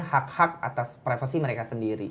hak hak atas privasi mereka sendiri